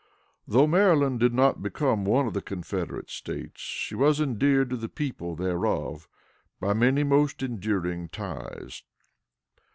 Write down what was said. Though Maryland did not become one of the Confederate States, she was endeared to the people thereof by many most enduring ties.